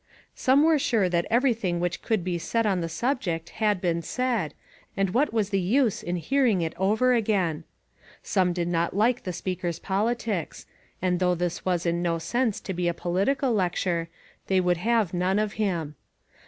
Some were sure that every thing which could be said on the subject had been said, and what was the use in hearing it over again? Some did not like the speaker's politics, and, though this was in no sense to be a political lecture, they would have none of him.